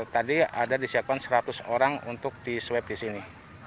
tadi ada disiapkan seratus orang untuk diswep di sini